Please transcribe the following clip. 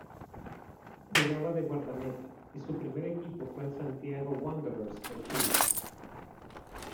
Jugaba de guardameta y su primer equipo fue el Santiago Wanderers de Chile.